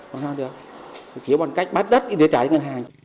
bọn tôi chỉ bằng cách bắt đất để trả cho ngân hàng